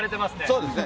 そうですね。